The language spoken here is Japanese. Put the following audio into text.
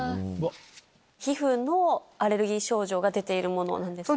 皮膚のアレルギー症状が出ているものなんですよね。